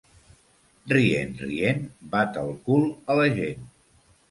Rient, rient, bat el cul a la gent.